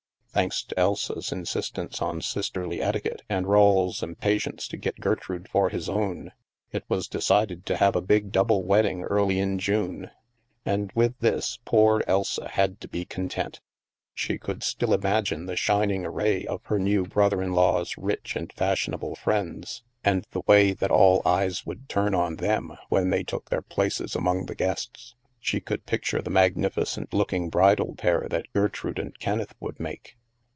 Thanks to Elsa's insistence on sisterly etiquette, and Rawle's impatience to get Gertrude for his own, it was decided to have a big double wedding early in June. And with this, poor Elsa had to be ccm tent. She could still imagine the shining array of her new brother in law's rich and fashionable friends and the way that all eyes would turn on them when they took their places among the guests; she could picture the magnificent looking bridal pair that Ger trude and Kenneth would make.